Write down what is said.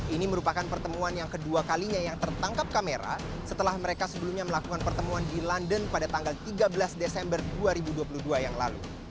ini merupakan pertemuan yang kedua kalinya yang tertangkap kamera setelah mereka sebelumnya melakukan pertemuan di london pada tanggal tiga belas desember dua ribu dua puluh dua yang lalu